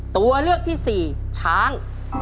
ตัวเลือกที่๔ช้าง